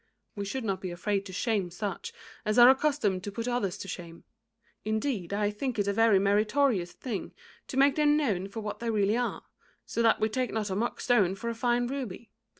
We should not be afraid to shame such as are accustomed to put others to shame; indeed I think it a very meritorious thing to make them known for what they really are, so that we take not a mock stone (4) for a fine ruby.